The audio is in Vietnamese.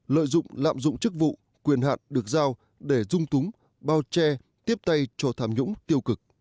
lợi dụng lạm dụng chức vụ quyền hạn được giao để dung túng bao che tiếp tay cho tham nhũng tiêu cực